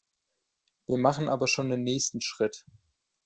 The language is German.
Wir machen aber schon den nächsten Schritt.